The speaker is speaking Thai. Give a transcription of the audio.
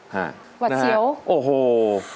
ฮะนั่นฮะโอ้โฮวัดเซียว